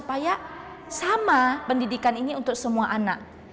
memperbaiki pendidikan supaya pendidikan ini sama untuk semua anak